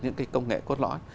những cái công nghệ cốt lõi